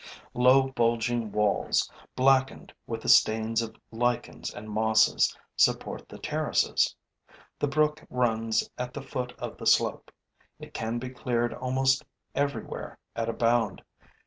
Low bulging walls, blackened with the stains of lichens and mosses, support the terraces. The brook runs at the foot of the slope. It can be cleared almost everywhere at a bound.